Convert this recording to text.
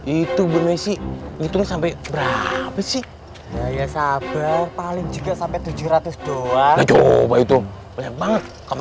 itu itu sampai berapa sih ya sabar paling juga sampai tujuh ratus doang